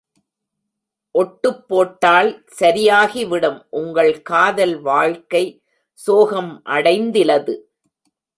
ஒட்டுப் போட்டால் சரியாகி விடும் உங்கள் காதல் வாழ்க்கை சோகம் அடைந்திலது.